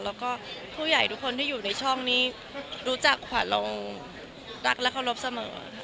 แล้วก็ผู้ใหญ่ทุกคนที่อยู่ในช่องนี้รู้จักขวัญเรารักและเคารพเสมอ